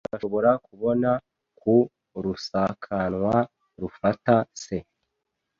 Urashobora kubona ku rusakanwa rufata se.